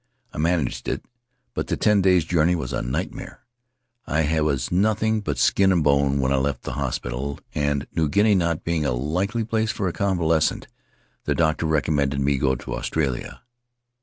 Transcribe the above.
I managed it, but the ten days' journey was a nightmare. I was nothing but skin and bone when I left the hospital, and New Guinea not being a likely place for a convalescent, the doctor recommended me to go to Australia.